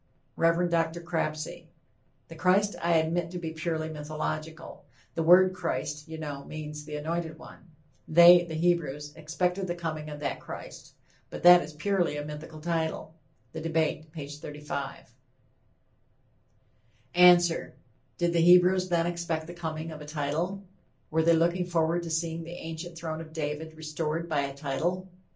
REV. DR. CRAPSEY: The Christ I admit to be purely mythological....the word Christ, you know, means the anointed one....they (the Hebrews) expected the coming of that Christ....But that is purely a mythical title. (The Debate P. 35.) ANSWER: Did the Hebrews then expect the coming of a title? Were they looking forward to seeing the ancient throne of David restored by a _title?